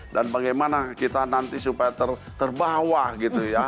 dan bagaimana kita nanti supaya terbawa gitu ya